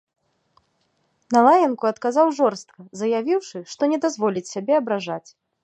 На лаянку адказаў жорстка, заявіўшы, што не дазволіць сябе абражаць.